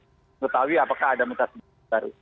mengetahui apakah ada mutasi baru